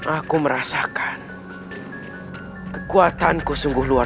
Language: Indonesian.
aku harus melakukan sesuatu